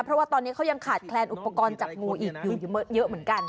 เพราะว่าตอนนี้เขายังขาดแคลนอุปกรณ์จับงูอีกอยู่เยอะเหมือนกัน